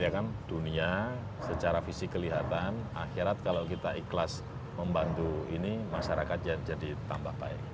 ya kan dunia secara fisik kelihatan akhirat kalau kita ikhlas membantu ini masyarakat jadi tambah baik